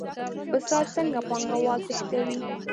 فساد څنګه پانګوال تښتوي؟